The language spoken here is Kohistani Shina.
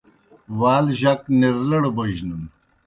وال جک نرلڑ بوجنَن۔